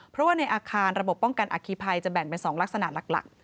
เพราะว่าในอาคารระบบป้องกันอคีภัยจะแบ่งเป็น๒ลักษณะหลัก